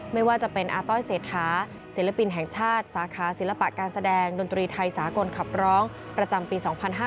ไม่ว่าจะเป็นอาต้อยเศรษฐาศิลปินแห่งชาติสาขาศิลปะการแสดงดนตรีไทยสากลขับร้องประจำปี๒๕๕๙